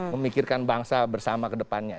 memikirkan bangsa bersama ke depannya